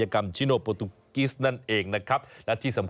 ก็แน่นละ